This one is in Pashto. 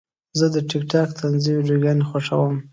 زه د ټک ټاک طنزي ویډیوګانې خوښوم.